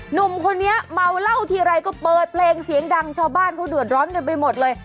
หนุ่มคนนี้เมาเหล้าทีไรก็เปิดเพลงเสียงดังชาวบ้านเขาเดือดร้อนกันไปหมดเลย